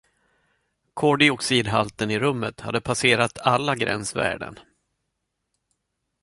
Koldioxidhalten i rummet hade passerat alla gränsvärden.